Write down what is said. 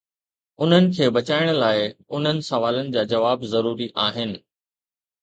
انهن کي بچائڻ لاء، انهن سوالن جا جواب ضروري آهن.